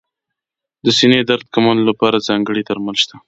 د سینې درد کمولو لپاره ځانګړي درمل شته.